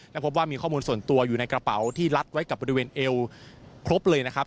และพบว่ามีข้อมูลส่วนตัวอยู่ในกระเป๋าที่ลัดไว้กับบริเวณเอวครบเลยนะครับ